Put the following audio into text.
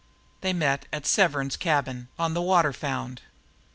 They had met at Severn's cabin, on the Waterfound.